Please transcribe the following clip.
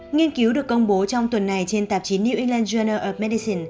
nghiên cứu được công bố trong tuần này trên tạp chí new england journal of medicine